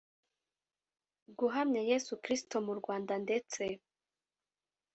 Guhamya Yesu Kirisito mu Rwanda ndetse